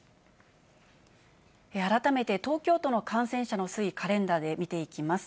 改めて東京都の感染者の推移、カレンダーで見ていきます。